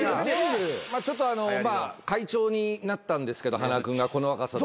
まあ会長になったんですけど塙君がこの若さで。